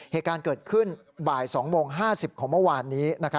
เหตุการณ์เกิดขึ้นบ่าย๒โมง๕๐ของเมื่อวานนี้